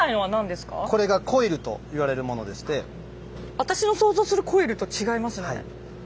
私の想像するコイルと違いますね。